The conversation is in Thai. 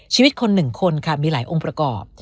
ชีวิตคนหนึ่งคนค่ะมีหลายองค์ประกอบ